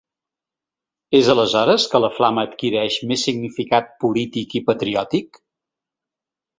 És aleshores que la flama adquireix més significat polític i patriòtic?